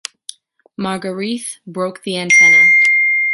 Margarethe broke the antenna.